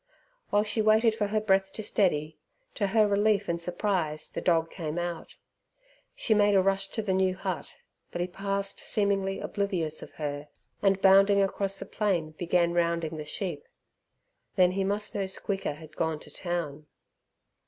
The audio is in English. While she waited for her breath to steady, to her relief and surprise the dog came out. She made a rush to the new hut, but he passed seemingly oblivious of her, and, bounding across the plain, began rounding the sheep. Then he must know Squeaker had gone to town.